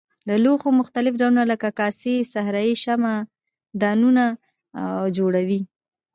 د لوښو مختلف ډولونه لکه کاسې صراحي شمعه دانونه جوړوي.